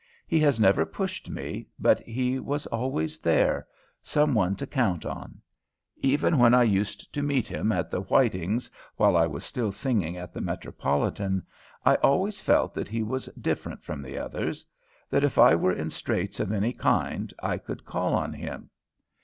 He has never pushed me, but he was always there some one to count on. Even when I used to meet him at the Whitings, while I was still singing at the Metropolitan, I always felt that he was different from the others; that if I were in straits of any kind, I could call on him.